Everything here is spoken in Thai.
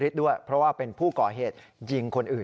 ใช่